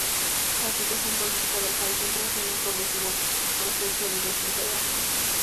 La situación política del país entró así en un progresivo proceso de desintegración.